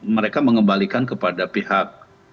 mereka mengembalikan kepada pihak